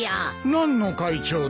何の会長だ？